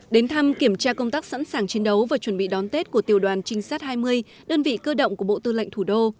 đến thăm kiểm tra công tác sẵn sàng chiến đấu và chuẩn bị đón tết của tiểu đoàn trinh sát hai mươi đơn vị cơ động của bộ tư lệnh thủ đô